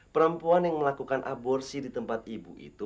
perempuan yang melakukan aborsi di tempat ibu itu